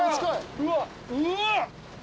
うわっ！